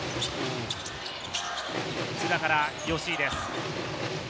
須田から吉井です。